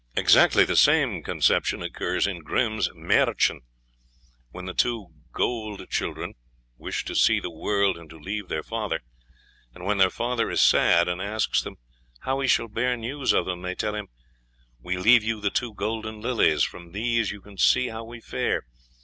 Exactly the same conception occurs in Grimm's "Mährchen," when the two gold children wish to see the world and to leave their father; and when their father is sad, and asks them how he shall bear news of them, they tell him, "We leave you the two golden lilies; from these you can see how we fare.